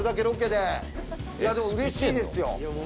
いやでもうれしいですよ。